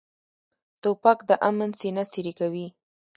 توپک د امن سینه څیرې کوي.